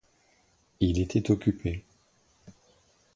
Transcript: Il était occupé.